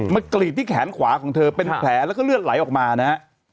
กรีดที่แขนขวาของเธอเป็นแผลแล้วก็เลือดไหลออกมานะฮะ